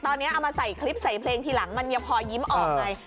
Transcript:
ตอนนี้เอามาใส่คลิปใส่เพลงทีหลังมันยังพอยิ้มออกไง